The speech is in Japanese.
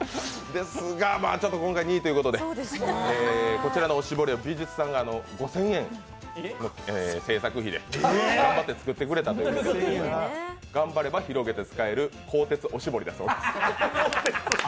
ですが、今回２位ということで、こちらのおしぼりをスタッフさんが５０００円の制作費で頑張って作ってくれたという頑張れば広げて使える鋼鉄おしぼりだそうです。